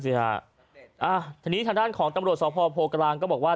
ทีนี้ทางด้านของตำรวจสพโพกลางก็บอกว่า